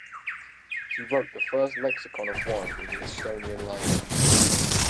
He wrote the first lexicon of wine in Estonian language.